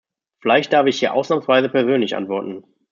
Vielleicht darf ich hier ausnahmsweise persönlich antworten.